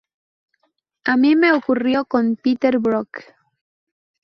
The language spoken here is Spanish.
A mí me ocurrió con Peter Brook.